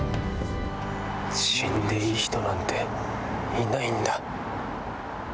死んでいい人なんていないんだ。